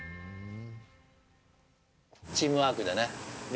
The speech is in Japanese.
チームワークでね、はい。